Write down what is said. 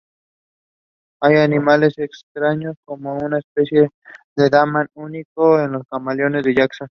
Hay animales extraños como una especie de damán único o el camaleón de Jackson.